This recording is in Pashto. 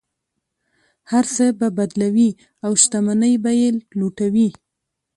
هر څه به بدلوي او شتمنۍ به یې لوټوي.